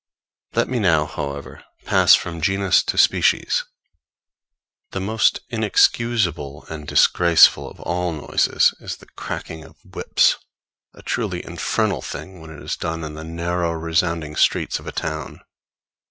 Let me now, however, pass from genus to species. The most inexcusable and disgraceful of all noises is the cracking of whips a truly infernal thing when it is done in the narrow resounding streets of a town.